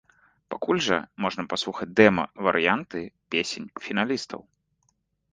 Пакуль жа можна паслухаць дэма-варыянты песень фіналістаў.